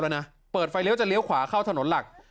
เอาไปเลี้ยวจะเลี้ยวเข้าถนนหลัก